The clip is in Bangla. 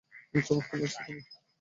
চমৎকার লাগছে তোমায়!